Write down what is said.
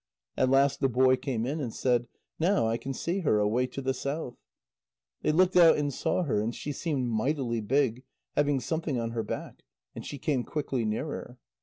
At last the boy came in, and said: "Now I can see her, away to the south." They looked out and saw her, and she seemed mightily big, having something on her back. And she came quickly nearer.